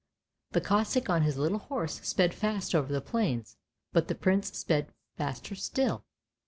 The Kossack on his little horse sped fast over the plains, but the Prince sped faster still.